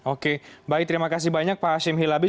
oke baik terima kasih banyak pak hashim hilabis